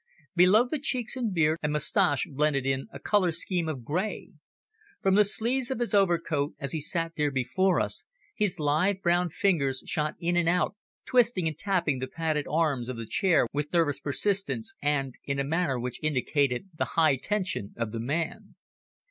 Below the cheeks and beard and moustache blended in a colour scheme of grey. From the sleeves of his overcoat, as he sat there before us, his lithe, brown fingers shot in and out, twisting and tapping the padded arms of the chair with nervous persistence, and in a manner which indicated the high tension of the man.